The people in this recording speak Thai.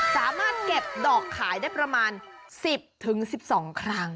สามารถเก็บดอกขายได้ประมาณ๑๐๑๒ครั้ง